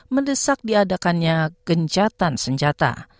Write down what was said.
mendesak diadakannya gencatan senjata